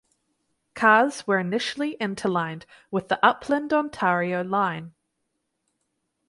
Cars were initially interlined with the Upland–Ontario Line.